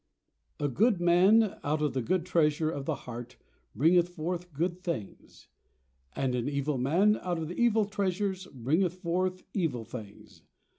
A good man out of the good treasure of the heart bringeth forth good things: and an evil man out of the evil treasure bringeth forth evil things.